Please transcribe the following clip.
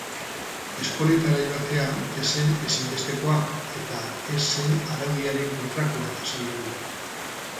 Eskoletara joatea ez zen ezinbestekoa eta ez zen araudiaren kontrakoa, azaldu du.